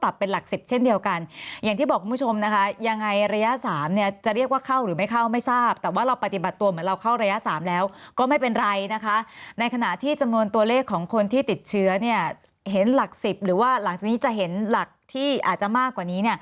โดยเฉพาะตัวเลขรายวัน